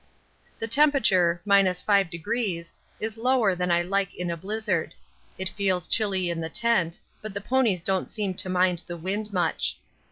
The temperature, 5°, is lower than I like in a blizzard. It feels chilly in the tent, but the ponies don't seem to mind the wind much.